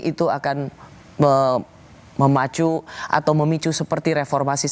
itu akan memacu atau memicu seperti reformasi sembilan puluh delapan